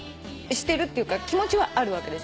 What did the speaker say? してるっていうか気持ちはあるわけでしょ。